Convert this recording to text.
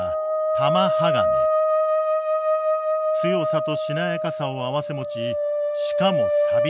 強さとしなやかさを併せ持ちしかも錆びにくい。